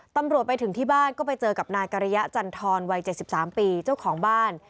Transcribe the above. ตำรวจไปถึงที่บ้านก็ไปเจอกับนายกริยะจันทรวัย๗๓ปีเจ้าของบ้าน